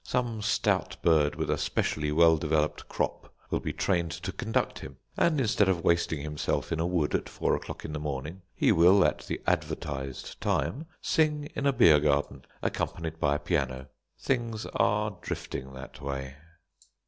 Some stout bird with a specially well developed crop will be trained to conduct him, and, instead of wasting himself in a wood at four o'clock in the morning, he will, at the advertised time, sing in a beer garden, accompanied by a piano. Things are drifting that way.